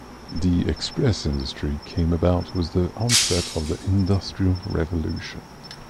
The express industry came about with the onset of The Industrial Revolution.